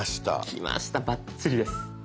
きましたバッチリです。